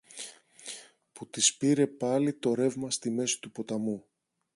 που τις πήρε πάλι το ρεύμα στη μέση του ποταμού.